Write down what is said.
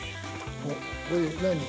これで何？